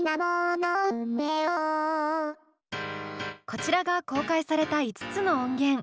こちらが公開された５つの音源。